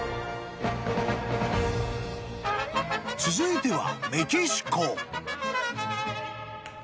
［続いては］